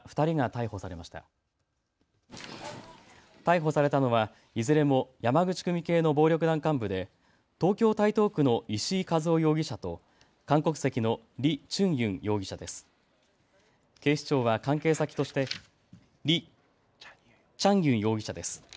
逮捕されたのはいずれも山口組系の暴力団幹部で東京台東区の石井和夫容疑者と韓国籍のリ・チャンユン容疑者です。